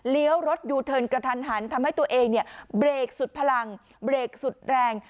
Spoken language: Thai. รถยูเทิร์นกระทันหันทำให้ตัวเองเนี่ยเบรกสุดพลังเบรกสุดแรง